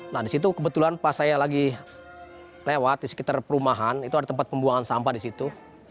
nah disitu kebetulan pas saya lagi lewat di sekitar perumahan itu ada tempat pembuangan sampah di situ